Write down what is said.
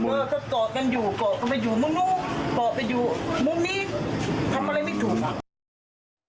ก็เกาะกันอยู่เกาะไปอยู่มุมนู้นเกาะไปอยู่มุมนี้